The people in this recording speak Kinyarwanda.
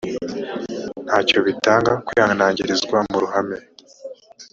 ntacyo bitanga kwihanangirizwa mu ruhame